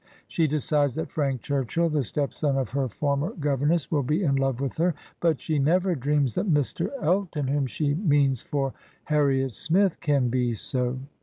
bne decides that Frank Churchill, the stepson ol her iormer governess, will be in love with her, but she never dreams that Mr. Elton, whom she means for Har riet Smith, can be so.